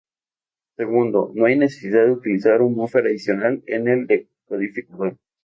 Segundo, no hay la necesidad de utilizar un buffer adicional en el decodificador.